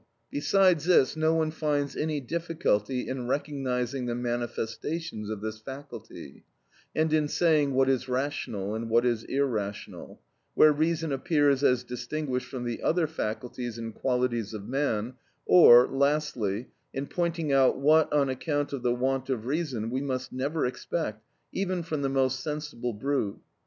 Besides this, no one finds any difficulty in recognising the manifestations of this faculty, and in saying what is rational and what is irrational, where reason appears as distinguished from the other faculties and qualities of man, or lastly, in pointing out what, on account of the want of reason, we must never expect even from the most sensible brute.